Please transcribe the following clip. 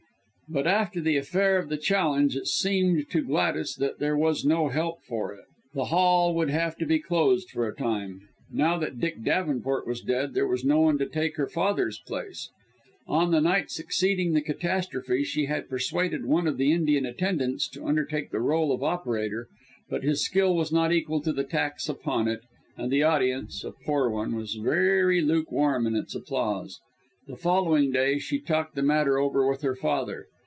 But after the affair of the challenge, it seemed to Gladys that there was no help for it the Hall would have to be closed for a time. Now that Dick Davenport was dead, there was no one to take her father's place. On the night succeeding the catastrophe, she had persuaded one of the Indian attendants to undertake the rôle of operator, but his skill was not equal to the tax upon it, and the audience a poor one was very lukewarm in its applause. The following day she talked the matter over with her father.